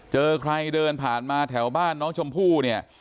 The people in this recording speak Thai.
เจอใครเดินผ่านมาแถวบ้านน้องชมพู่เนี่ย